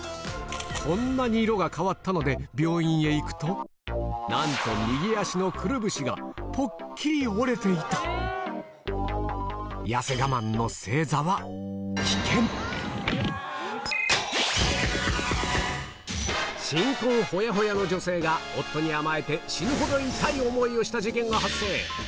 こんなに色が変わったので病院へ行くとなんと右足のくるぶしがぽっきり新婚ホヤホヤの女性が夫に甘えて死ぬほど痛い思いをした事件が発生